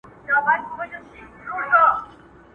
o ياران ماران دي، خوړل کوي، نا اشنا ښه دي، اشنا ټکل کوي٫